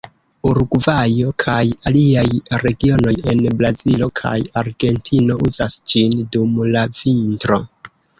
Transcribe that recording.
Urugvajo, kaj aliaj regionoj en Brazilo kaj Argentino uzas ĝin dum la vintro.